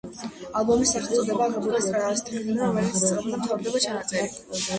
ალბომის სახელწოდება აღებულია სტრიქონიდან, რომლითაც იწყება და მთავრდება ჩანაწერი.